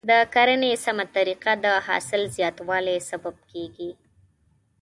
د کرنې سمه طریقه د حاصل زیاتوالي سبب کیږي.